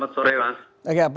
selamat sore pak